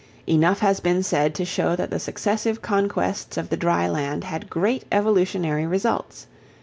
Enough has been said to show that the successive conquests of the dry land had great evolutionary results.